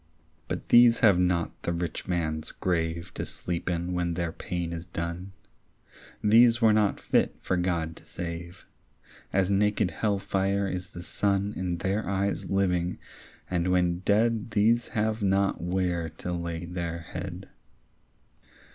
But these have not the rich man's grave To sleep in when their pain is done. These were not fit for God to save. As naked hell fire is the sun In their eyes living, and when dead These have not where to lay their head.